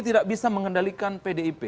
tidak bisa mengendalikan pdip